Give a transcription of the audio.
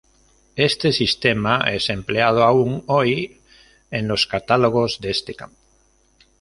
Este sistema es empleado aún hoy en los catálogos de este campo.